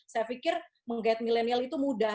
saya pikir menggait milenial itu mudah